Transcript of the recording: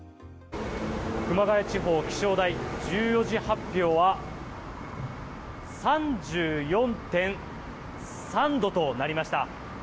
熊谷地方気象台１４時発表は３４．３度となりました。